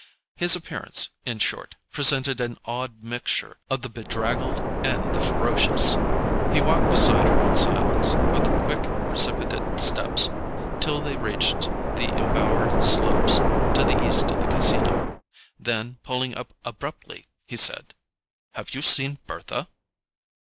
His appearance, in short, presented an odd mixture of the bedraggled and the ferocious. He walked beside her in silence, with quick precipitate steps, till they reached the embowered slopes to the east of the Casino; then, pulling up abruptly, he said: "Have you seen Bertha?"